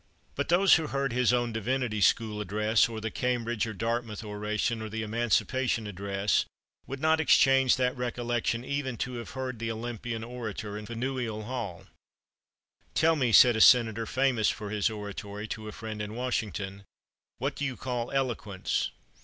But those who heard his own Divinity School address, or the Cambridge or Dartmouth oration, or the Emancipation address, would not exchange that recollection even to have heard the Olympian orator in Faneuil Hall. "Tell me," said a Senator famous for his oratory, to a friend in Washington, "what do you call eloquence?